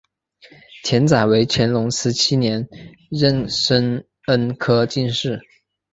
钱载为乾隆十七年壬申恩科进士。